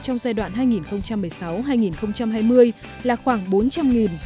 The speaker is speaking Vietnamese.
trong giai đoạn hai nghìn một mươi sáu hai nghìn hai mươi là khoảng bốn trăm linh